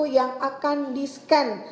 yang akan di scan